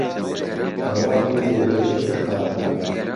ئەڕواحی لێ دهکر دقات